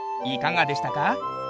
いかがでしたか？